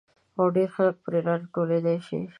او ډېر خلک پرې را ټولېدای شي.